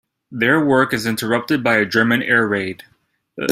Their work is interrupted by a German air raid.